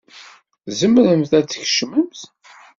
Tzemremt ad d-tkecmemt.